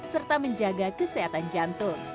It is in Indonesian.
serta menjaga kesehatan jantung